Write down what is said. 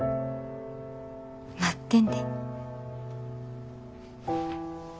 待ってんで。